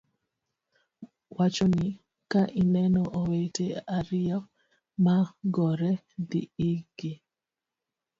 Wacho ni, "ka ineno owete ariyo ma gore, dhi irgi,